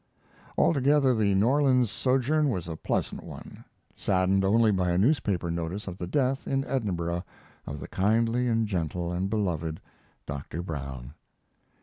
Altogether the New Orleans sojourn was a pleasant one, saddened only by a newspaper notice of the death, in Edinburgh, of the kindly and gentle and beloved Dr. Brown.